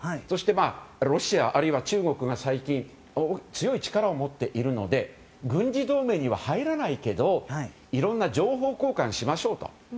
そしてロシア、あるいは中国が最近、強い力を持っているので軍事同盟には入らないけどいろんな情報交換をしましょう。